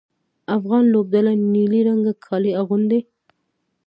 افغان لوبډله نیلي رنګه کالي اغوندي.